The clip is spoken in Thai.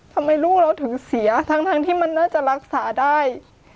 ทำไมลูกเราถึงเสียทั้งที่มันน่าจะรักษาได้